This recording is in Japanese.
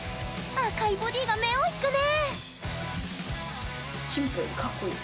赤いボディーが目を引くね！